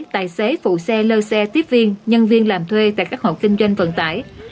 tài xế phụ xe lơ xe tiếp viên nhân viên làm thuê tại các hộ kinh doanh vận tải